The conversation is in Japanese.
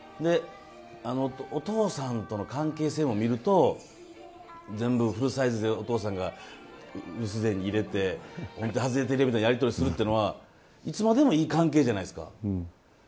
お父さんとの関係性を見ると全部フルサイズでお父さんが留守電に入れてっていうやり取りをするっていうのはいつまでもいい関係じゃないですか。